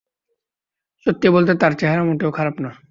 সত্যি বলতে, তার চেহারা মোটেও খারাপ না।